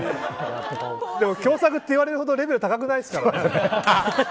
でも共作って言われるほどレベル高くないですからね。